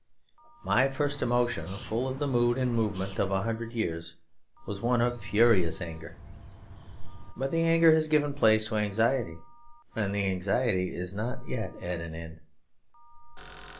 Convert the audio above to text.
My first emotion, full of the mood and movement of a hundred years, was one of furious anger. But the anger has given place to anxiety; and the anxiety is not yet at an end.